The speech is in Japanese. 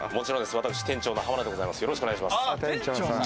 私、店長の濱田でございます。